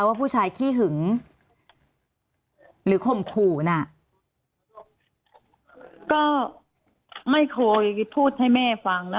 ว่าผู้ชายขี้หึงหรือข่มขู่น่ะก็ไม่เคยพูดให้แม่ฟังนะ